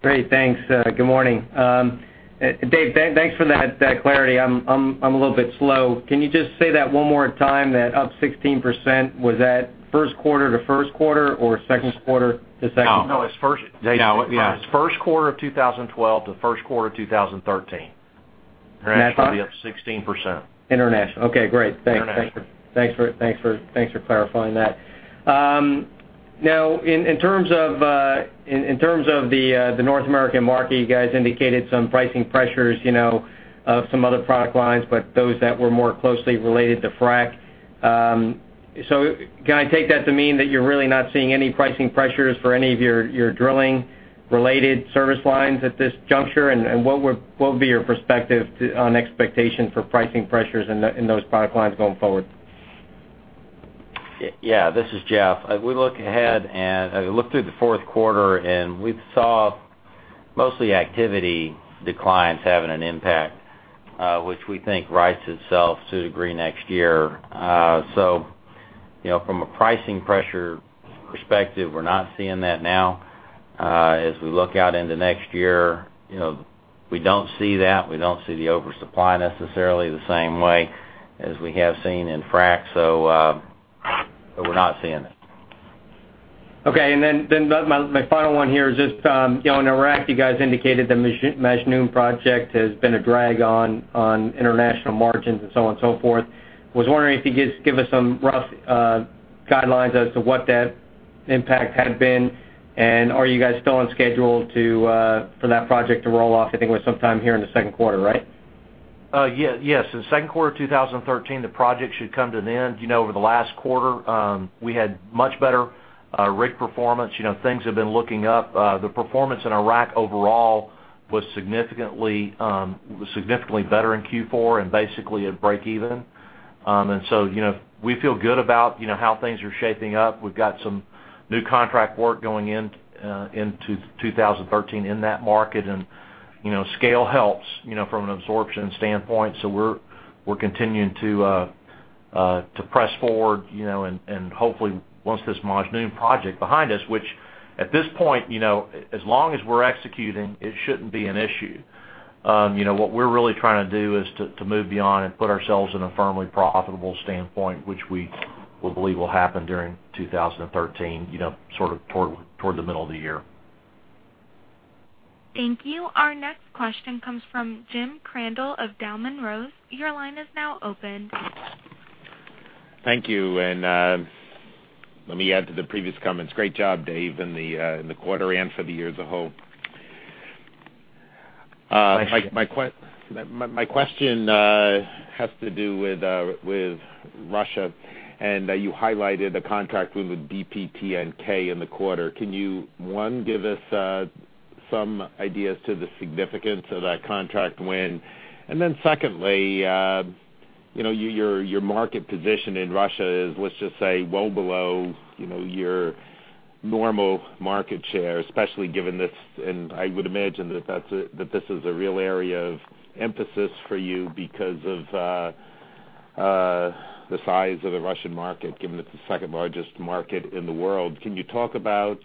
Great. Thanks. Good morning. Dave, thanks for that clarity. I'm a little bit slow. Can you just say that one more time, that up 16%? Was that first quarter to first quarter or second quarter to second quarter? No, it's first. Yeah. It's first quarter of 2012 to first quarter 2013. We're actually going to be up 16%. International. Okay, great. International. Thanks for clarifying that. In terms of the North American market, you guys indicated some pricing pressures of some other product lines, but those that were more closely related to frack. Can I take that to mean that you're really not seeing any pricing pressures for any of your drilling-related service lines at this juncture? What would be your perspective on expectation for pricing pressures in those product lines going forward? Yeah, this is Jeff. We look ahead and look through the fourth quarter, we saw mostly activity declines having an impact, which we think rights itself to a degree next year. From a pricing pressure perspective, we're not seeing that now. As we look out into next year, we don't see that. We don't see the oversupply necessarily the same way as we have seen in frack. We're not seeing it. Okay. My final one here is just on Iraq, you guys indicated the Majnoon project has been a drag on international margins and so on and so forth. I was wondering if you could just give us some rough guidelines as to what that impact had been, are you guys still on schedule for that project to roll off, I think it was sometime here in the second quarter, right? Yes. In the second quarter of 2013, the project should come to an end. Over the last quarter, we had much better rig performance. Things have been looking up. The performance in Iraq overall was significantly better in Q4 and basically at breakeven. We feel good about how things are shaping up. We've got some new contract work going into 2013 in that market, scale helps from an absorption standpoint. We're continuing to press forward, hopefully once this Majnoon project behind us, which at this point as long as we're executing, it shouldn't be an issue. What we're really trying to do is to move beyond and put ourselves in a firmly profitable standpoint, which we believe will happen during 2013 toward the middle of the year. Thank you. Our next question comes from James Crandell of Dahlman Rose. Your line is now open. Thank you. Let me add to the previous comments. Great job, Dave, in the quarter and for the year as a whole. Thank you. My question has to do with Russia. You highlighted a contract with TNK-BP in the quarter. Can you, one, give us some ideas to the significance of that contract win? Secondly, your market position in Russia is, let's just say, well below your normal market share, especially given this. I would imagine that this is a real area of emphasis for you because of the size of the Russian market, given it's the second largest market in the world. Can you talk about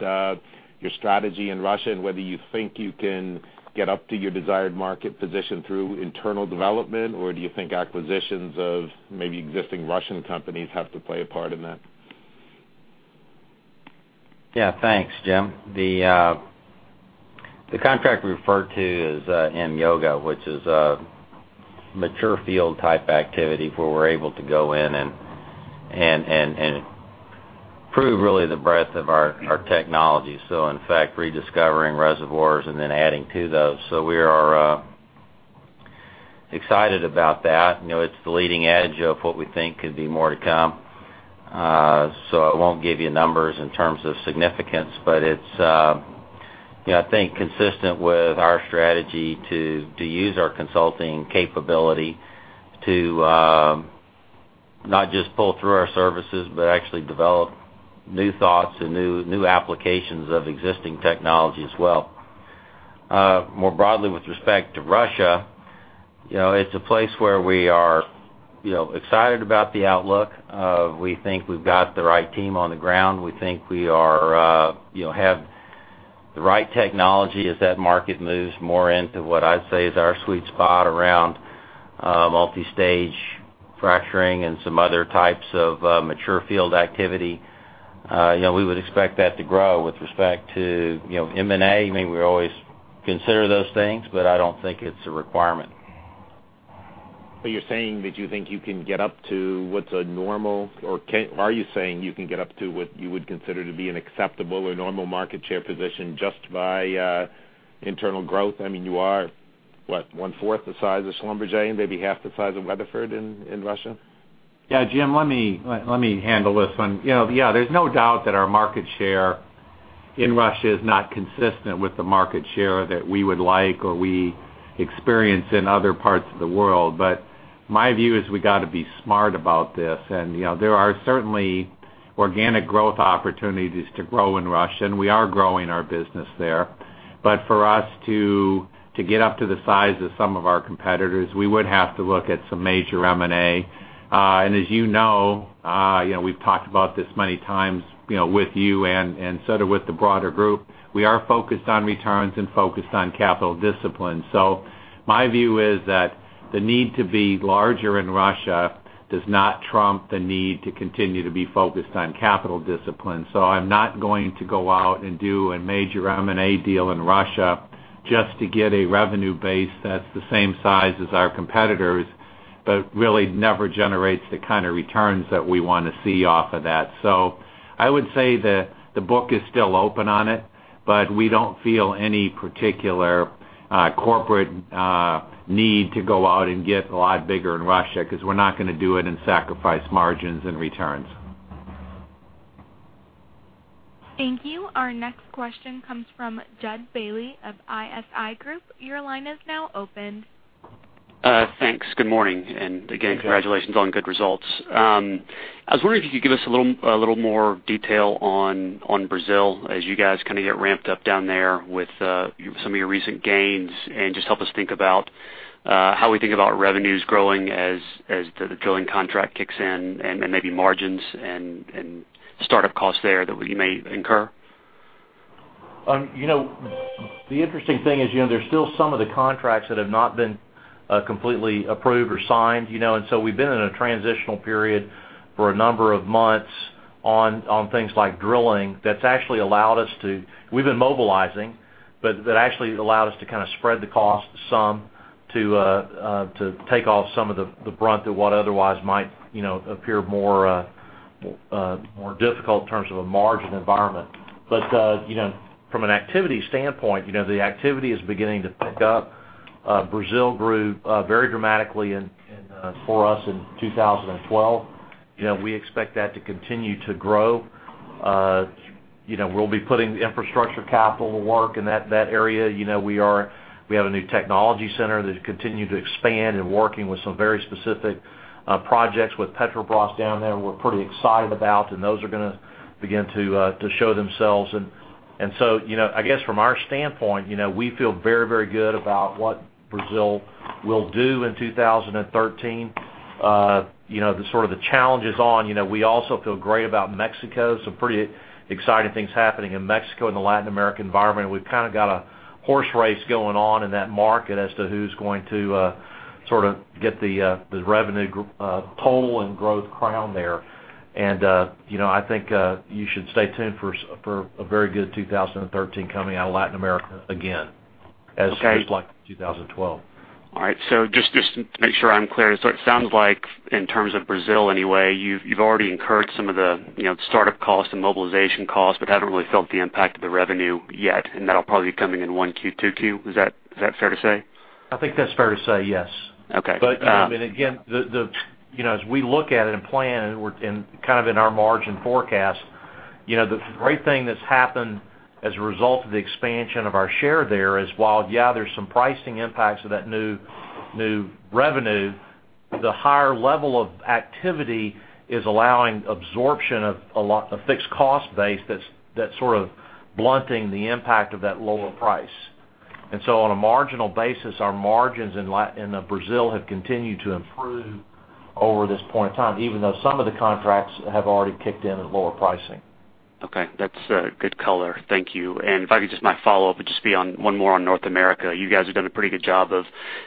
your strategy in Russia and whether you think you can get up to your desired market position through internal development, or do you think acquisitions of maybe existing Russian companies have to play a part in that? Yeah, thanks, Jim. The contract we referred to is in Yugra, which is a mature field type activity where we're able to go in and prove really the breadth of our technology. In fact, rediscovering reservoirs and then adding to those. We are excited about that. It's the leading edge of what we think could be more to come. I won't give you numbers in terms of significance, but it's, I think, consistent with our strategy to use our consulting capability to not just pull through our services, but actually develop new thoughts and new applications of existing technology as well. More broadly, with respect to Russia, it's a place where we are excited about the outlook. We think we've got the right team on the ground. We think we have the right technology as that market moves more into what I'd say is our sweet spot around multi-stage fracturing and some other types of mature field activity. We would expect that to grow. With respect to M&A, maybe we always consider those things, but I don't think it's a requirement. Are you saying that you think you can get up to what's a normal or are you saying you can get up to what you would consider to be an acceptable or normal market share position just by internal growth? You are, what, 1/4 the size of Schlumberger and maybe 1/2 the size of Weatherford in Russia? Jim, let me handle this one. Yeah. There's no doubt that our market share in Russia is not consistent with the market share that we would like or we experience in other parts of the world. My view is we got to be smart about this. There are certainly organic growth opportunities to grow in Russia, and we are growing our business there. For us to get up to the size of some of our competitors, we would have to look at some major M&A. As you know, we've talked about this many times with you and sort of with the broader group. We are focused on returns and focused on capital discipline. My view is that the need to be larger in Russia does not trump the need to continue to be focused on capital discipline. I'm not going to go out and do a major M&A deal in Russia just to get a revenue base that's the same size as our competitors, but really never generates the kind of returns that we want to see off of that. I would say the book is still open on it, but we don't feel any particular corporate need to go out and get a lot bigger in Russia because we're not going to do it and sacrifice margins and returns. Thank you. Our next question comes from Jud Bailey of ISI Group. Your line is now open. Thanks. Good morning. Again, congratulations on good results. I was wondering if you could give us a little more detail on Brazil as you guys kind of get ramped up down there with some of your recent gains and just help us think about how we think about revenues growing as the drilling contract kicks in and maybe margins and startup costs there that we may incur. The interesting thing is there's still some of the contracts that have not been completely approved or signed. We've been in a transitional period for a number of months on things like drilling. We've been mobilizing, but that actually allowed us to kind of spread the cost some to take off some of the brunt of what otherwise might appear more difficult in terms of a margin environment. From an activity standpoint, the activity is beginning to pick up. Brazil grew very dramatically for us in 2012. We expect that to continue to grow. We'll be putting infrastructure capital to work in that area. We have a new technology center that continue to expand and working with some very specific projects with Petrobras down there we're pretty excited about, and those are going to begin to show themselves. I guess from our standpoint, we feel very good about what Brazil will do in 2013. We also feel great about Mexico, some pretty exciting things happening in Mexico and the Latin American environment. We've kind of got a horse race going on in that market as to who's going to Sort of get the revenue total and growth crown there. I think you should stay tuned for a very good 2013 coming out of Latin America again- Okay as just like 2012. All right. Just to make sure I'm clear, so it sounds like in terms of Brazil anyway, you've already incurred some of the startup costs and mobilization costs, but haven't really felt the impact of the revenue yet, and that'll probably be coming in Q2. Is that fair to say? I think that's fair to say, yes. Okay. Again, as we look at it and plan and kind of in our margin forecast, the great thing that's happened as a result of the expansion of our share there is while, yeah, there's some pricing impacts of that new revenue, the higher level of activity is allowing absorption of a fixed cost base that's sort of blunting the impact of that lower price. On a marginal basis, our margins in Brazil have continued to improve over this point in time, even though some of the contracts have already kicked in at lower pricing. Okay. That's good color. Thank you. If I could, just my follow-up would just be one more on North America. You guys have done a pretty good job of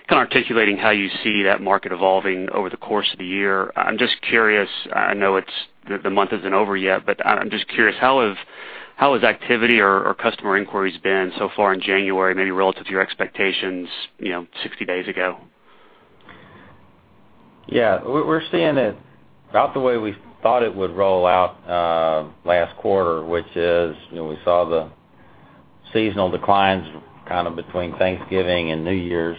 kind of articulating how you see that market evolving over the course of the year. I'm just curious, I know the month isn't over yet, but I'm just curious, how has activity or customer inquiries been so far in January, maybe relative to your expectations, 60 days ago? We're seeing it about the way we thought it would roll out last quarter, which is, we saw the seasonal declines kind of between Thanksgiving and New Year's.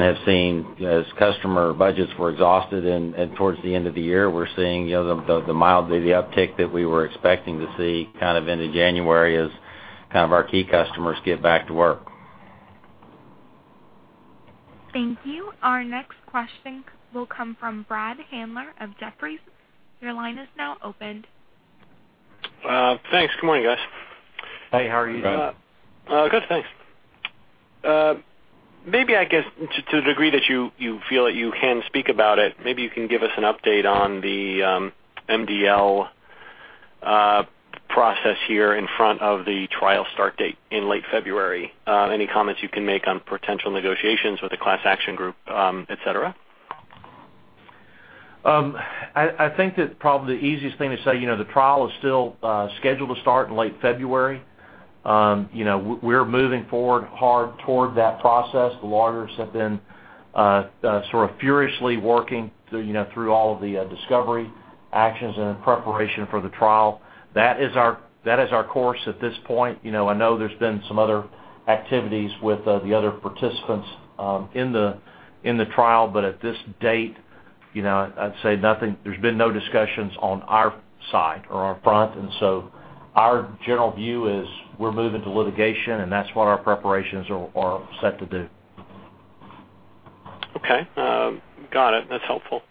Have seen as customer budgets were exhausted and towards the end of the year, we're seeing the mild daily uptick that we were expecting to see kind of into January as kind of our key customers get back to work. Thank you. Our next question will come from Brad Handler of Jefferies. Your line is now open. Thanks. Good morning, guys. Hey, how are you? Brad. Good, thanks. Maybe I guess, to the degree that you feel that you can speak about it, maybe you can give us an update on the MDL process here in front of the trial start date in late February. Any comments you can make on potential negotiations with the class action group, et cetera? I think that probably the easiest thing to say, the trial is still scheduled to start in late February. We're moving forward hard toward that process. The lawyers have been sort of furiously working through all of the discovery actions in preparation for the trial. That is our course at this point. I know there's been some other activities with the other participants in the trial, but at this date, I'd say there's been no discussions on our side or our front. Our general view is we're moving to litigation, and that's what our preparations are set to do. Okay. Got it. That's helpful.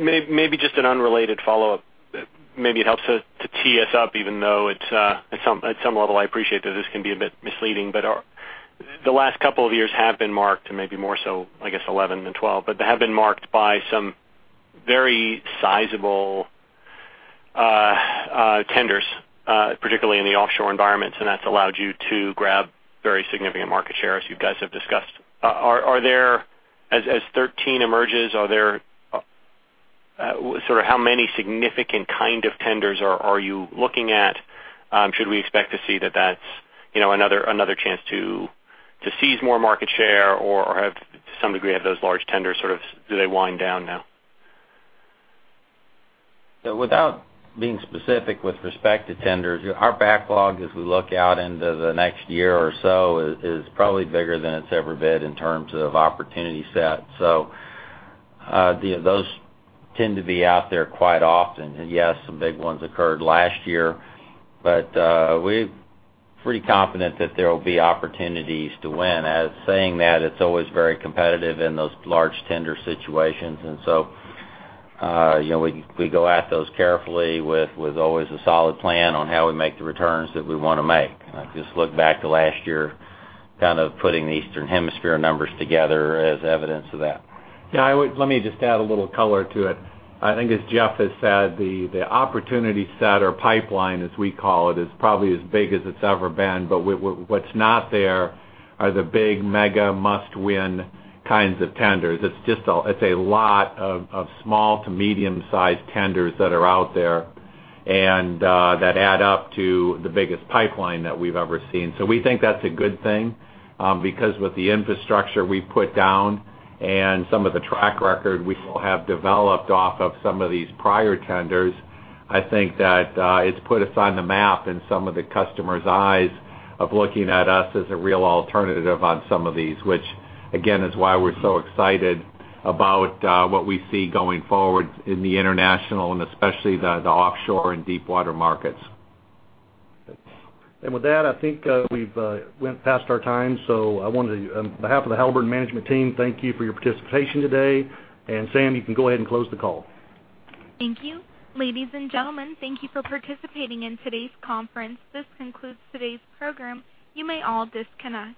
Maybe just an unrelated follow-up. Maybe it helps to tee us up, even though at some level, I appreciate that this can be a bit misleading, but the last couple of years have been marked, and maybe more so, I guess, 2011 than 2012, but have been marked by some very sizable tenders, particularly in the offshore environments, and that's allowed you to grab very significant market share, as you guys have discussed. As 2013 emerges, sort of how many significant kind of tenders are you looking at? Should we expect to see that that's another chance to seize more market share? To some degree, have those large tenders sort of, do they wind down now? Without being specific with respect to tenders, our backlog as we look out into the next year or so is probably bigger than it's ever been in terms of opportunity set. Those tend to be out there quite often. Yes, some big ones occurred last year, but, we're pretty confident that there will be opportunities to win. As saying that, it's always very competitive in those large tender situations. We go at those carefully with always a solid plan on how we make the returns that we want to make. I just look back to last year, kind of putting the Eastern Hemisphere numbers together as evidence of that. Let me just add a little color to it. I think as Jeff has said, the opportunity set or pipeline, as we call it, is probably as big as it's ever been. What's not there are the big mega must-win kinds of tenders. It's a lot of small to medium-sized tenders that are out there, and that add up to the biggest pipeline that we've ever seen. We think that's a good thing, because with the infrastructure we've put down and some of the track record we have developed off of some of these prior tenders, I think that it's put us on the map in some of the customers' eyes of looking at us as a real alternative on some of these, which again, is why we're so excited about what we see going forward in the international and especially the offshore and deep water markets. With that, I think we've went past our time. On behalf of the Halliburton management team, thank you for your participation today. Sam, you can go ahead and close the call. Thank you. Ladies and gentlemen, thank you for participating in today's conference. This concludes today's program. You may all disconnect.